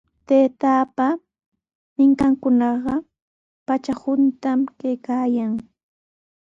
Taytaapa minkayninkunaqa patra hunta kaykaayan.